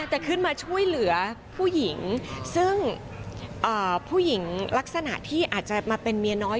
จะขึ้นมาช่วยเหลือผู้หญิงซึ่งผู้หญิงลักษณะที่อาจจะมาเป็นเมียน้อย